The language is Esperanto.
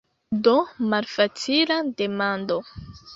Do, malfacila demando.